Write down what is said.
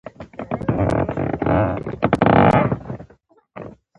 آیا د واده ډوډۍ ته ټول کلی نه راغوښتل کیږي؟